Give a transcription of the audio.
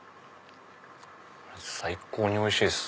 最高においしいです。